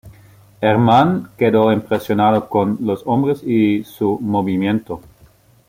Herman quedó impresionado con los hombres y su movimiento.